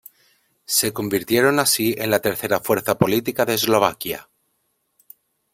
Se convirtieron así en la tercera fuerza política de Eslovaquia.